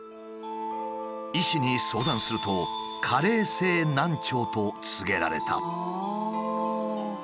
医師に相談すると「加齢性難聴」と告げられた。